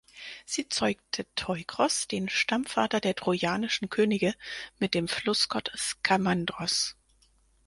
Sie zeugte Teukros, den Stammvater der trojanischen Könige, mit dem Flussgott Skamandros.